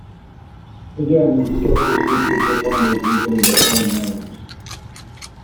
Again, sketches featured performers using their own names.